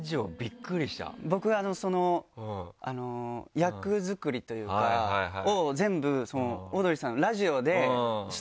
僕役作りというかを全部オードリーさんのラジオでしてたんですよ。